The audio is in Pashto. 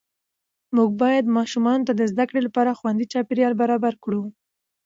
موږ باید ماشومانو ته د زده کړې لپاره خوندي چاپېریال برابر کړو